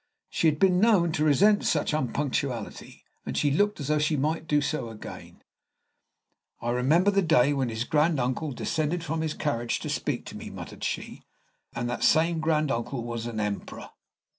She had been known to resent such unpunctuality, and she looked as though she might do so again. "I remember the day when his grand uncle descended from his carriage to speak to me," muttered she; "and that same grand uncle was an emperor."